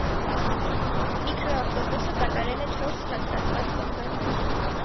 Միկրոավտոբուսը կատարել է չորս հաստատված կանգառներ։